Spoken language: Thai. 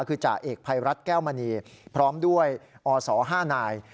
คือจ่าเอกภัยรัฐแก้วมณีพร้อมด้วยอศ๕นาย